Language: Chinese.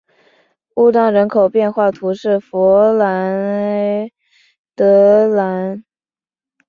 乌当人口变化图示弗里德兰